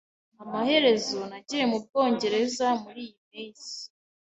Amaherezo nagiye mu Bwongereza muriyi mpeshyi.